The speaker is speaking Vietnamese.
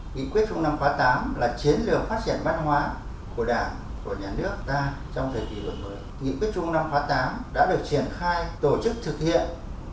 nghị quyết trung mương năm khoa tám đã được triển khai tổ chức thực hiện và đã mang lại những kết quả to lớn trong sự phát triển văn hóa của đất nước ta trong gần ba thập niên qua